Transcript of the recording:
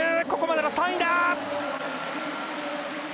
ここまでの３位だ！